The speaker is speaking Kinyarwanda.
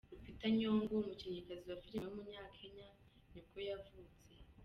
Lupita Nyong'o, umukinnyikazi wa filime w’umunyakenya nivwo yavutse.